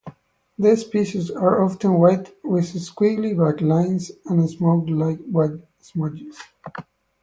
These pieces are often white with squiggly black lines and smoke-like smudges.